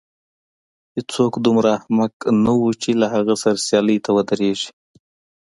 هېڅوک دومره احمق نه و چې له هغه سره سیالۍ ته ودرېږي.